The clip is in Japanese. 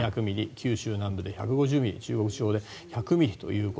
九州南部で１５０ミリ中国地方で１００ミリと。